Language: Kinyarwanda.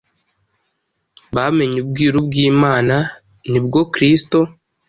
bamenye ubwiru bw’Imana, ni bwo Kristo.